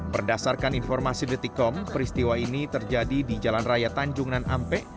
berdasarkan informasi detikom peristiwa ini terjadi di jalan raya tanjung nan ampe